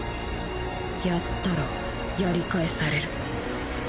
やったらやり返される。